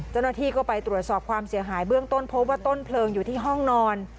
เจ้าหน้าที่ก็ไปตรวจสอบความเสียหายเบื้องต้นพบว่าต้นเพลิงอยู่ที่ห้องนอน